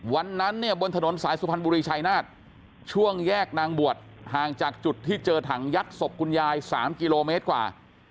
วันนั้นเนี่ยบนถนนสายสุพรรณบุรีชายนาฏช่วงแยกนางบวชห่างจากจุดที่เจอถังยัดศพคุณยาย๓กิโลเมตรกว่า